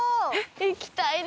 行きたいな！